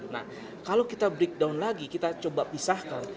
nah kalau kita breakdown lagi kita coba pisahkan